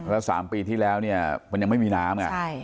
แล้ว๓ปีที่แล้วเนี่ยมันยังไม่มีน้ำ